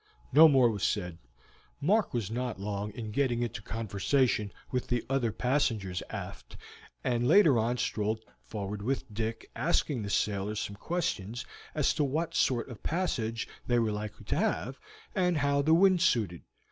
No more was said. Mark was not long in getting into conversation with the other passengers aft, and later on strolled forward with Dick, asking the sailors some questions as to what sort of passage they were likely to have, and how the wind suited.